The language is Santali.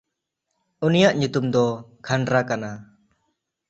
ᱩᱱᱤᱭᱟᱜ ᱧᱩᱛᱩᱢ ᱫᱚ ᱠᱷᱟᱱᱰᱨᱟ ᱠᱟᱱᱟ᱾